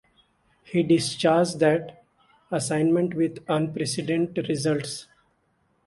He discharged that assignment with unprecedented results.